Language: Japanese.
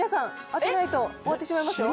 当てないと終わってしまいますよ。